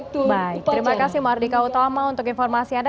terima kasih mardika utama untuk informasi anda